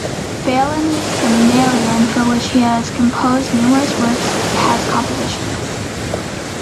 Balinese gamelan, for which he has composed numerous works, has compositions.